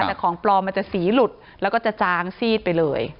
แต่ของปลอมมันจะสีหลุดแล้วก็จะจางซีดไปเลย